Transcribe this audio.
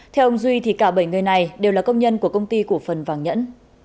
theo ông duy thì cả bảy người này đều là công nhân của công ty cổ phần vàng nhẫn